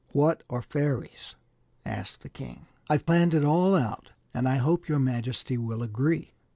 " What are fairies ?" asked the king. " I've planned it all out, and I hope your majesty will agree."